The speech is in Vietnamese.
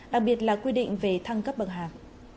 đặc biệt là quy định về thăng cấp bậc hàm